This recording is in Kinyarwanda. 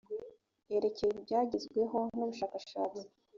yerekeye ibyagezweho n ubushakashatsi